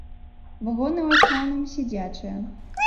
Вагоны ў асноўным сядзячыя.